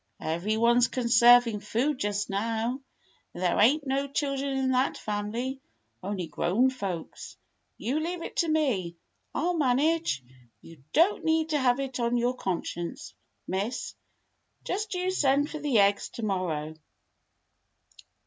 Every one 's conserving food just now, and there ain't no children in that family, only grown folks. You leave it to me. I'll manage; you don't need to have it on your conscience. Miss. Just you send for the eggs to morrow."